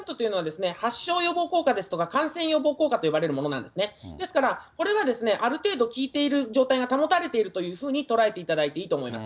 感染予防効果といわれるものなんですね、ですから、これはある程度、効いている状態が保たれているというふうに捉えていただいていいと思います。